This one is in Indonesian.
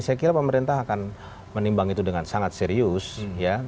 saya kira pemerintah akan menimbang itu dengan sangat serius ya